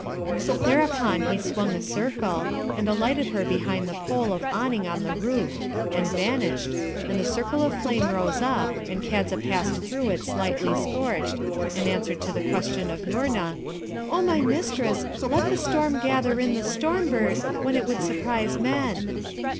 Thereupon he swung a circle, and alighted her behind the pole of awning on the roof, and vanished, and the circle of flame rose up, and Kadza passed through it slightly scorched, and answered to the question of Noorna, 'O my mistress, let the storm gather in the storm bird when it would surprise men.'